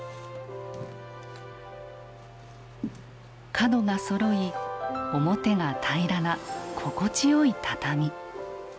角がそろい表が平らな心地よい畳。